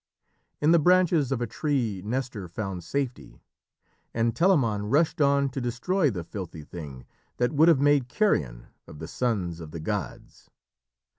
In the branches of a tree Nestor found safety, and Telamon rushed on to destroy the filthy thing that would have made carrion of the sons of the gods.